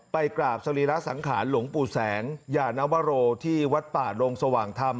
ไปกราบสรีระสังขารหลวงปู่แสงยานวโรที่วัดป่าดงสว่างธรรม